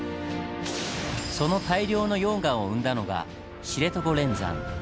その大量の溶岩を生んだのが知床連山。